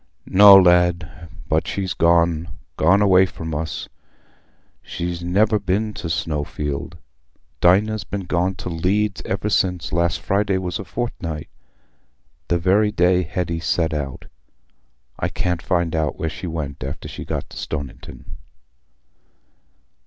"No, lad; but she's gone—gone away from us. She's never been to Snowfield. Dinah's been gone to Leeds ever since last Friday was a fortnight, the very day Hetty set out. I can't find out where she went after she got to Stoniton."